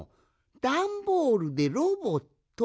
だんボールでロボット？